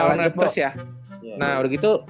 awan raptors ya nah udah gitu